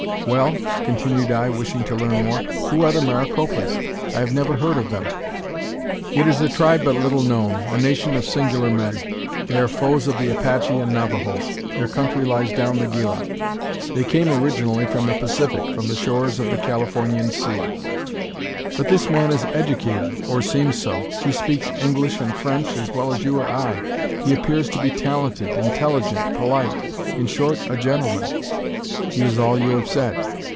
"Well?" continued I, wishing to learn more. "Who are the Maricopas? I have never heard of them." "It is a tribe but little known, a nation of singular men. They are foes of the Apache and Navajo; their country lies down the Gila. They came originally from the Pacific, from the shores of the Californian Sea." "But this man is educated, or seems so. He speaks English and French as well as you or I. He appears to be talented, intelligent, polite in short, a gentleman." "He is all you have said."